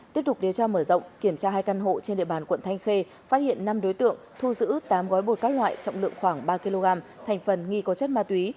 tiếp tục điều tra mở rộng kiểm tra hai căn hộ trên địa bàn quận thanh khê phát hiện năm đối tượng thu giữ tám gói bột các loại trọng lượng khoảng ba kg thành phần nghi có chất ma túy